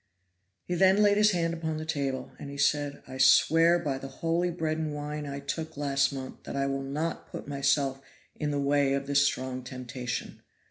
He then laid his hand upon the table, and he said: "I swear by the holy bread and wine I took last month that I will not put myself in the way of this strong temptation.